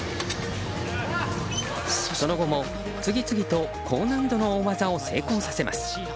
その後も次々と高難易度の大技を成功させます。